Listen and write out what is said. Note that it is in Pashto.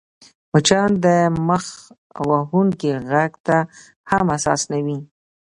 مچان د مچ وهونکي غږ ته هم حساس نه وي